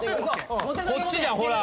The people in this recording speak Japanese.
こっちじゃんほら！